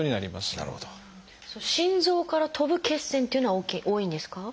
心臓からとぶ血栓っていうのは多いんですか？